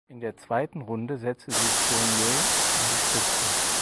In der zweiten Runde setzte sich Fournier an die Spitze.